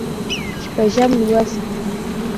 شپږم لوست